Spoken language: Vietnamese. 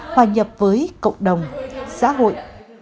hòa nhập với cộng đồng xã hội